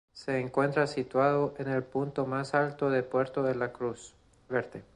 Se encuentra situado en el punto más alto del puerto de la Cruz Verde.